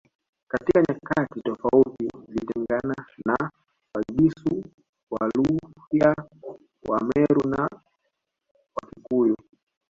Katika nyakati tofauti zilitengana na Wagisu Waluya Wameru na Wakikuyu